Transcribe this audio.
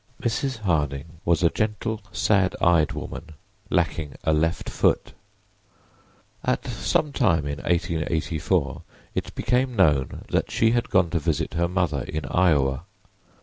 Mrs. Harding was a gentle, sad eyed woman, lacking a left foot. At some time in 1884 it became known that she had gone to visit her mother in Iowa.